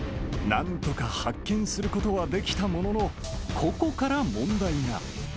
なんとか発見することはできたものの、ここから問題が。